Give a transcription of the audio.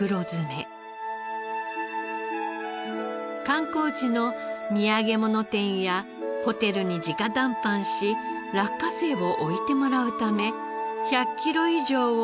観光地の土産物店やホテルに直談判し落花生を置いてもらうため１００キロ以上を往復する日々。